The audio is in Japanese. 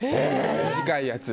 短いやつ。